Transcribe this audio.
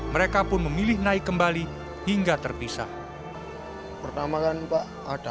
mereka pun memilih naik kembali hingga terpisah